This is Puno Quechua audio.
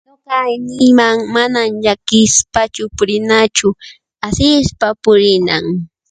Aylliman llakisqachu purinanchu asispa purinan.